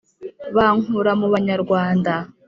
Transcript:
bankura mu banyarwanda! »